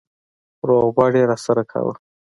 روغبړ يې راسره کاوه.